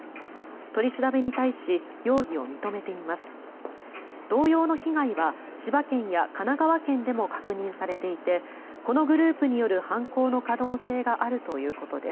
取り調べに対し容疑を認めています。